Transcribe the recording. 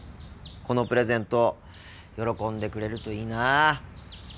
このプレゼント喜んでくれるといいなあ。